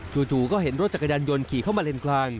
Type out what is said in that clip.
จู่ก็เห็นรถจักรยานยนต์ขี่เข้ามาเลนกลาง